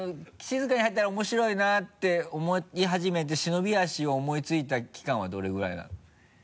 静かに入ったら面白いなって思い始めて忍び足を思いついた期間はどれぐらいなの？